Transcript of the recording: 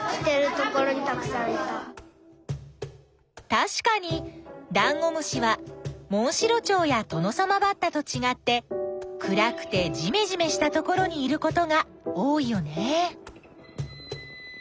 たしかにダンゴムシはモンシロチョウやトノサマバッタとちがって暗くてじめじめしたところにいることが多いよね。